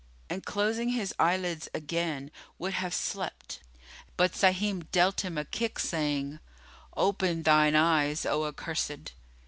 and closing his eyelids again, would have slept; but Sahim dealt him a kick, saying, "Open thine eyes, O accursed!"